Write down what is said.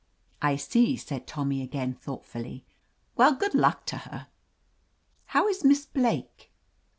"I see," said Tommy again thoughtfully. * Well, good luck to her." "How is Miss Blake?"